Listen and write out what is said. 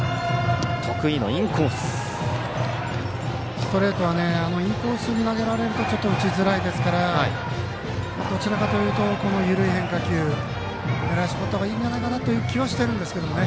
ストレートはインコースに投げられるとちょっと打ちづらいですからどちらかというと緩い変化球狙い絞ったほうがいいんじゃないかなという気はしてるんですけどね。